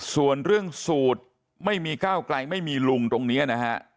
ส่วนเรื่องสูตรไม่มีก้าวไกลไม่มีลุงตรงนี้นะฮะ